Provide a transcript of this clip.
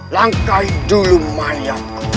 langkai dulu mayatku